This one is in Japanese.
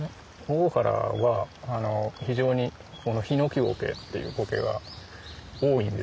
大原は非常にこのヒノキゴケっていうコケが多いんですよ。